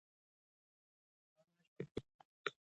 تنخوا میاشت په میاشت نه دریږي.